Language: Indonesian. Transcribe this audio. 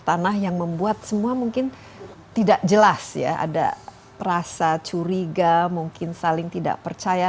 tanah yang membuat semua mungkin tidak jelas ya ada rasa curiga mungkin saling tidak percaya